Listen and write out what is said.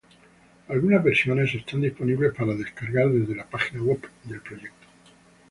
Algunas versiones están disponibles para descargar desde la página web del proyecto.